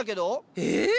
えっ？